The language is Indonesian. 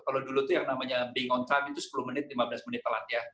kalau dulu itu yang namanya berada pada waktu itu sepuluh menit lima belas menit telat ya